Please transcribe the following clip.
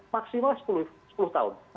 maksimal sepuluh tahun